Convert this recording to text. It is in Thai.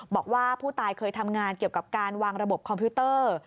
บอกว่าผู้ตายเคยทำงานเกี่ยวกับการวางระบบคอมพิวเตอร์